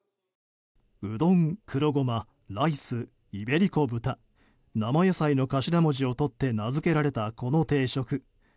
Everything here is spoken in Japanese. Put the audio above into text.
うどん、黒ゴマ、ライスイベリコ豚、生野菜の頭文字をとって名付けられたこの定食。